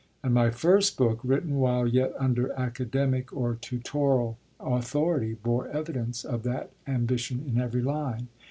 And my first book, written while yet under academic or tutoral authority, bore evidence of that ambition in every line.'